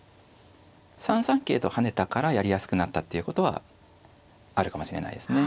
３三桂と跳ねたからやりやすくなったっていうことはあるかもしれないですね。